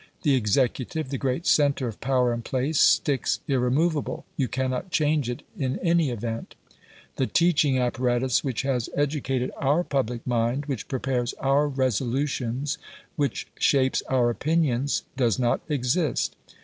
The executive, the great centre of power and place, sticks irremovable; you cannot change it in any event. The teaching apparatus which has educated our public mind, which prepares our resolutions, which shapes our opinions, does not exist.